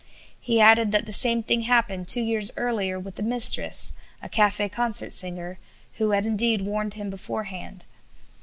He added that the same thing happened two years earlier with a mistress, a café concert singer, who had, indeed, warned him beforehand.